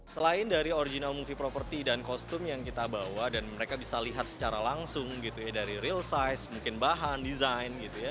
selain dari original movie properti dan kostum yang kita bawa dan mereka bisa lihat secara langsung dari real size mungkin bahan desain